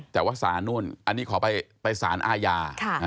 แต่ว่าสารนู่นอันนี้ขอไปสารอาญา